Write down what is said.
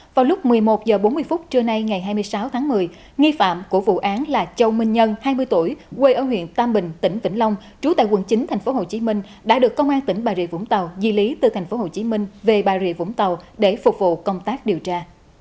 vào lúc một mươi một h bốn mươi phút trưa nay ngày hai mươi sáu tháng một mươi nghi phạm của vụ án là châu minh nhân hai mươi tuổi quê ở huyện tam bình tỉnh vĩnh long trú tại quận chín tp hcm đã được công an tỉnh bà rịa vũng tàu di lý từ tp hcm về bà rịa vũng tàu để phục vụ công tác điều tra